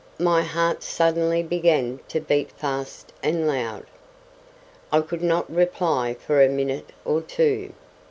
My heart suddenly began to beat fast and loud. I could not reply for a minute or two.